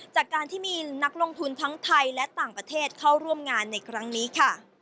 จากการที่มีนักลงทุนทั้งไทยและต่างประเทศเข้าร่วมงานในครั้งนี้ค่ะ